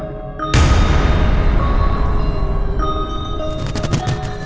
มีความรู้สึกว่ามีความรู้สึกว่า